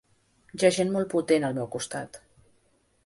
Hi ha gent molt potent al meu costat.